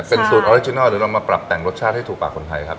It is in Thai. เป็นสูตรออริจินัลหรือเรามาปรับแต่งรสชาติให้ถูกปากคนไทยครับ